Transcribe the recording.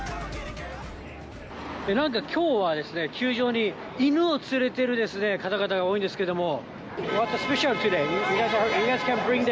なんかきょうはですね、球場に犬を連れている方々が多いんですけれども。